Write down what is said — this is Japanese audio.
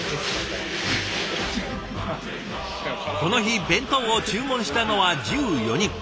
この日弁当を注文したのは１４人。